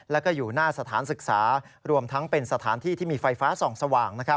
แล้วก็อยู่หน้าสถานศึกษารวมทั้งเป็นสถานที่ที่มีไฟฟ้าส่องสว่าง